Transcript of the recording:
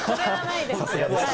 さすがです。